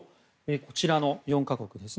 こちらの４か国です。